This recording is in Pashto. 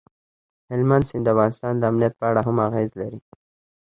هلمند سیند د افغانستان د امنیت په اړه هم اغېز لري.